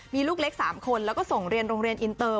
มีลูกเล็ก๓คนแล้วก็ส่งเรียนโรงเรียนอินเตอร์